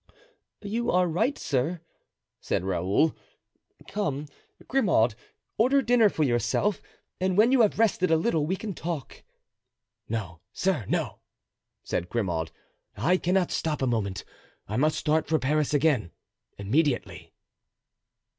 "You are right, sir," said Raoul. "Come, Grimaud, order dinner for yourself and when you have rested a little we can talk." "No, sir, no," said Grimaud. "I cannot stop a moment; I must start for Paris again immediately."